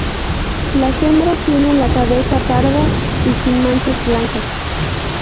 Las hembras tienen la cabeza parda y sin manchas blancas.